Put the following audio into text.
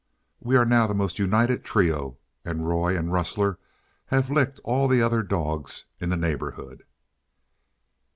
We are now the most united trio, and Roy and Rustler have licked all the other dogs in the neighbourhood.